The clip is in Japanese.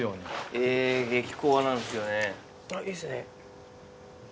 あっいいですね。